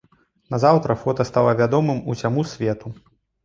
Назаўтра фота стала вядомым усяму свету.